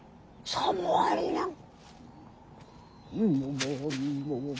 さもありなん。